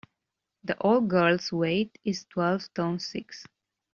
The old girl's weight — is twelve stone six.